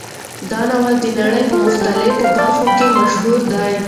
دا ناول د نړۍ په مختلفو برخو کې مشهور دی.